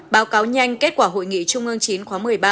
báo cáo nhanh kết quả hội nghị trung ương chín khóa một mươi ba